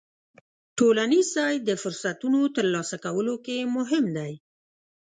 ټولنیز ځای د فرصتونو ترلاسه کولو کې مهم دی.